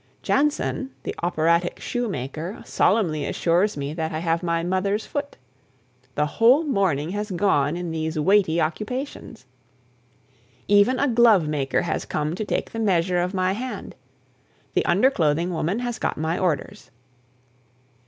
Janssen, the Operatic shoemaker, solemnly assures me that I have my mother's foot. The whole morning has gone in these weighty occupations. Even a glovemaker has come to take the measure of my hand. The underclothing woman has got my orders.